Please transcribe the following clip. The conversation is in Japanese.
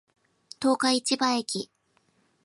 十日市場駅